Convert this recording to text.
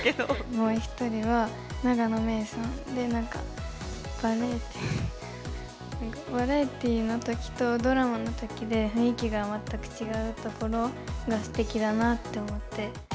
もう１人は、永野芽郁さんで、なんか、バラエティー、なんかバラエティーのときとドラマのときで、雰囲気が全く違うところがすてきだなって思って。